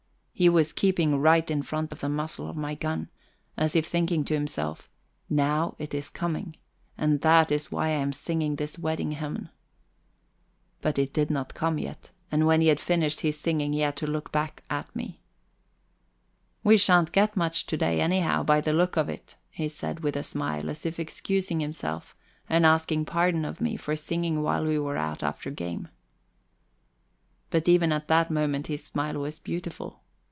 He was keeping right in front of the muzzle of my gun again, as if thinking to himself: Now it is coming, and that is why I am singing this wedding hymn! But it did not come yet, and when he had finished his singing he had to look back at me. "We shan't get much to day anyhow, by the look of it," he said, with a smile, as if excusing himself, and asking pardon of me for singing while we were out after game. But even at that moment his smile was beautiful.